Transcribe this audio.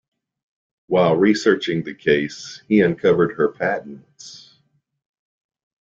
While researching the case, he uncovered her patents.